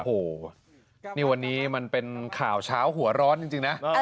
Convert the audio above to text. โอ้โหนี่วันนี้มันเป็นข่าวเช้าหัวร้อนจริงนะ